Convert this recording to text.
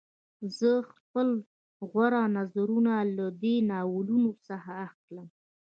زه خپل غوره نظرونه له دې ناولونو څخه اخلم